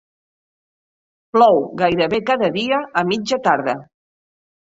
Plou gairebé cada dia a mitja tarda.